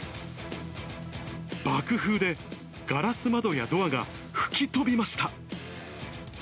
爆風でガラス窓やドアが吹き飛びました。